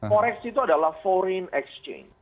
forex itu adalah foreign exchange